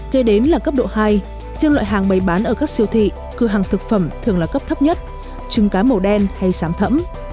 kế đến là cấp độ hai riêng loại hàng bày bán ở các siêu thị cửa hàng thực phẩm thường là cấp thấp nhất trứng cá màu đen hay sáng thẫm